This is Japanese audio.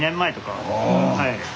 はい。